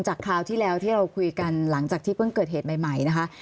คราวที่แล้วที่เราคุยกันหลังจากที่เพิ่งเกิดเหตุใหม่นะคะ